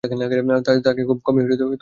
তবে খুব কমই সফলতা পেয়েছিলেন।